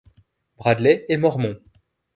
Bradley est mormon.